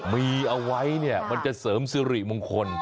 มีเอาไว้เนี่ยมันจะเสริมสิริมงคล